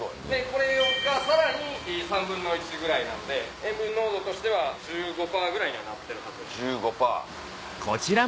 これがさらに３分の１ぐらいなんで塩分濃度としては１５％ぐらいにはなってるはず。